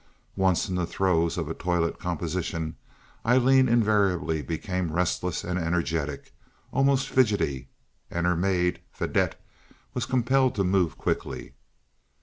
Once in the throes of a toilet composition, Aileen invariably became restless and energetic, almost fidgety, and her maid, Fadette, was compelled to move quickly.